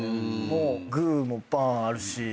もうグーもバーンあるし。